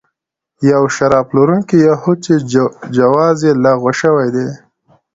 یو شراب پلورونکی یهود چې جواز یې لغوه شوی دی.